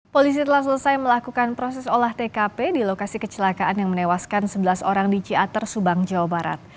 polisi telah selesai melakukan proses olah tkp di lokasi kecelakaan yang menewaskan sebelas orang di ciater subang jawa barat